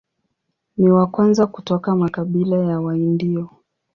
Ni wa kwanza kutoka makabila ya Waindio.